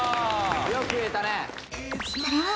よく言えたね